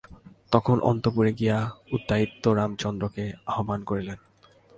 তখন অন্তঃপুরে গিয়া উদয়াদিত্য রামচন্দ্রকে আহ্বান করিলেন।